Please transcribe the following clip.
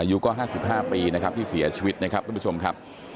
อายุก็๕๕ปีนะครับที่เสียชีวิตนะครับทุกผู้ชมครับ